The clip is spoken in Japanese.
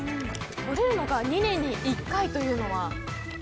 採れるのが２年に１回というのは？